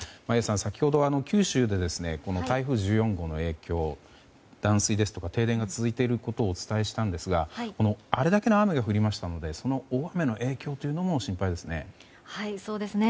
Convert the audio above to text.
先ほど、九州で台風１４号の影響断水ですとか停電が続いていることをお伝えしたんですがあれだけの雨が降りましたのでその大雨の影響というのも心配ですね。